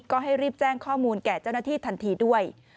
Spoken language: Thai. ก็ให้รีบแจ้งข้อมูลแก่เจ้าหน้าที่ทันทีด้วย